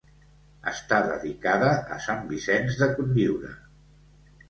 Està dedicada a sant Vicenç de Cotlliure.